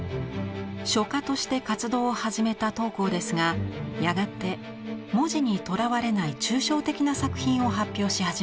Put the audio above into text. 書家として活動を始めた桃紅ですがやがて文字にとらわれない抽象的な作品を発表し始めます。